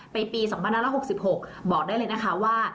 ปี๒๑๖๖บอกได้เลยนะคะว่า